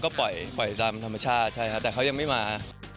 ก็ปล่อยตามธรรมชาติใช่ครับแต่เขายังไม่มา